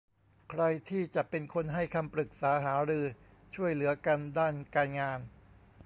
ใครที่จะเป็นคนให้คำปรึกษาหารือช่วยเหลือกันด้านการงาน